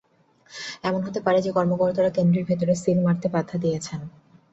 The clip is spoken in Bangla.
এমন হতে পারে যে, কর্মকর্তারা কেন্দ্রের ভেতরে সিল মারতে বাধা দিয়েছেন।